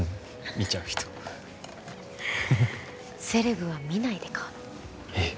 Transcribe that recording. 見ちゃう人セレブは見ないで買うのえっ